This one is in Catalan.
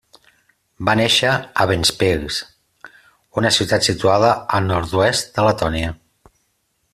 Va néixer a Ventspils, una ciutat situada al nord-oest de Letònia.